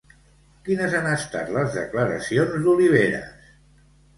Quines han estat les declaracions d'Oliveras?